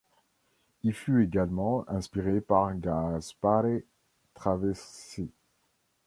Il fut également inspiré par Gaspare Traversi.